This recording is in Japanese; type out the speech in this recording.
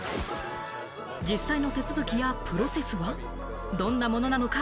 実際の手続きやプロセスは、どんなものなのか？